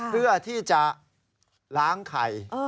เพื่อที่จะล้างไข่